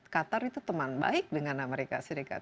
qatar itu teman baik dengan amerika serikat